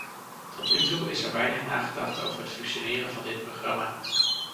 Tot nu toe is er weinig nagedacht over het functioneren van dit programma.